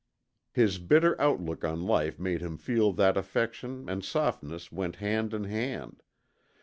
His bitter outlook on life made him feel that affection and softness went hand in hand.